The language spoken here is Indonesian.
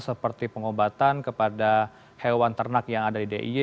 seperti pengobatan kepada hewan ternak yang ada di diy